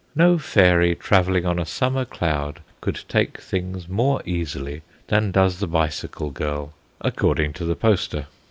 No fairy travelling on a summer cloud could take things more easily than does the bicycle girl, according to the poster.